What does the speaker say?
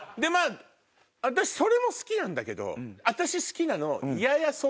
私それも好きなんだけど私好きなの。